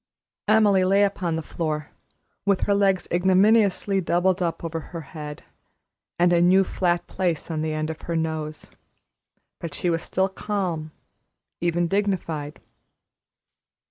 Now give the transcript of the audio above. Emily lay upon the floor, with her legs ignominiously doubled up over her head, and a new flat place on the end of her nose; but she was still calm, even dignified.